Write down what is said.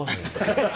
ハハハハ！